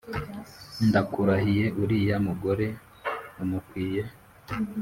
ndakurahiye uriya mugore umukwiye